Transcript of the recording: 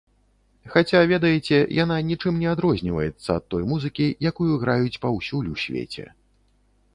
Хаця, ведаеце, яна нічым не адрозніваецца ад той музыкі, якую граюць паўсюль у свеце.